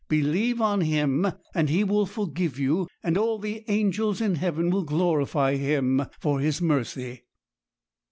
Believe on Him, and He will forgive you; and all the angels in heaven will glorify Him for His mercy.'